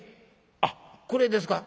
あっこれですか？